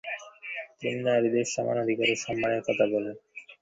তিনি নারীদের সমান অধিকার ও সম্মানের কথা বলেন।